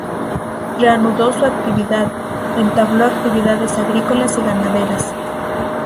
Reanudó su actividad; entabló actividades agrícolas y ganaderas.